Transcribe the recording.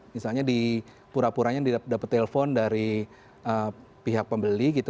misalnya di pura puranya dapat telepon dari pihak pembeli gitu